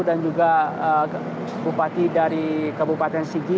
dan juga bupati dari kabupaten sigi